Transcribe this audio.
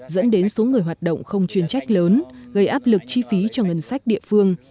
dẫn đến số người hoạt động không chuyên trách lớn gây áp lực chi phí cho ngân sách địa phương